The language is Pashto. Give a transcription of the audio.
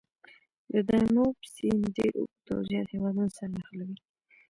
د دانوب سیند ډېر اوږد او زیات هېوادونه سره نښلوي.